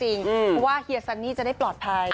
เพราะว่าเฮียซันนี่จะได้ปลอดภัย